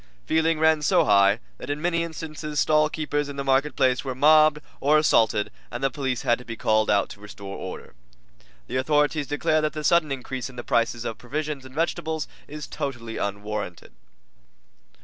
Feeling ran so high that in many instances stallkeepers in the markets were mobbed or assaulted, and the police had to be called out to restore order. The authorities declare that the sudden increase in the prices of provisions and vegetables is totally unwarranted.